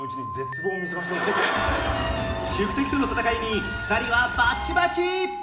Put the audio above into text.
宿敵との戦いに２人はバッチバチ！